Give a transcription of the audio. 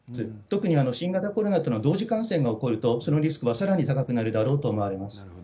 特に新型コロナとの同時感染が起こると、そのリスクはさらに高くなるだろうと思われます。